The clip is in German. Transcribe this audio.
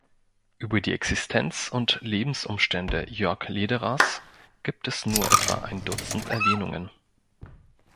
Über die Existenz und Lebensumstände Jörg Lederers gibt es nur etwa ein Dutzend Erwähnungen.